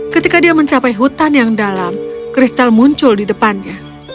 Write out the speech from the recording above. ketika dia mencapai hutan yang dalam kristal muncul di depannya